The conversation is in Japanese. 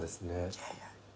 いやいや。